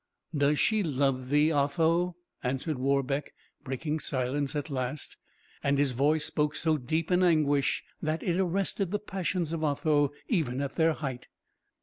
"Does she love thee, Otho?" answered Warbeck, breaking silence at last; and his voice spoke so deep an anguish, that it arrested the passions of Otho even at their height.